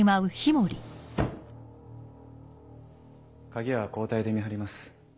鍵は交代で見張ります